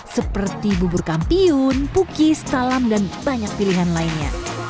seperti bubur kampiun pukis talam dan banyak pilihan lainnya